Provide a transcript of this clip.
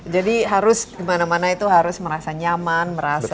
jadi harus gimana mana itu harus merasa nyaman merasa